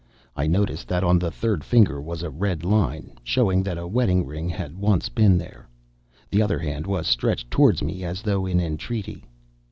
I noticed that on the third finger was a red line, showing that a wedding ring had once been there. The other hand was stretched towards me as though in entreaty.